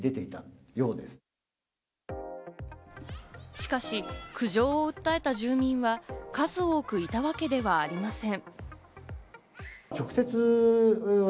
しかし苦情を訴えた住民は、数多くいたわけではありません。